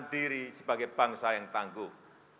diri sebagai bangsa yang tangguh